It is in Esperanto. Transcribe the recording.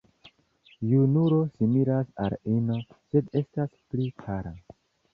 Junulo similas al ino, sed estas pli pala.